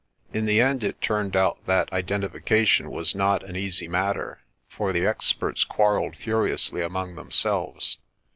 In the end it turned out that identification was not an easy matter, for the experts quarrelled furiously among themselves.